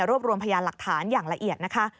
รวมรวมพยานหลักฐานอย่างละเอียดนะคะ